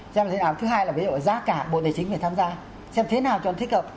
xem dự án thứ hai là ví dụ giá cả bộ tài chính phải tham gia xem thế nào cho nó thích hợp